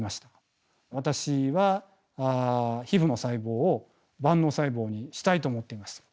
私は皮ふの細胞を万能細胞にしたいと思っています。